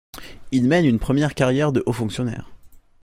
Il mène une première carrière de haut fonctionnaire.